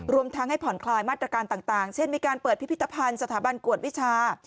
รวมทั้งให้ผ่อนคลายมาตรการต่างเช่นมีการเปิดพิพิธภัณฑ์สถาบันกวดวิชา